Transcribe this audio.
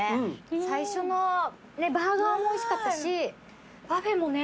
最初のバーガーもおいしかったしパフェもね